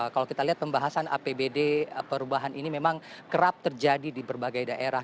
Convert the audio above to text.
kalau kita lihat pembahasan apbd perubahan ini memang kerap terjadi di berbagai daerah